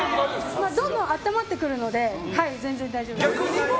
どんどんあったまってくるので逆に大丈夫です。